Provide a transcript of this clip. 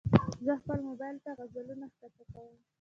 زه خپل موبایل ته غزلونه ښکته کوم.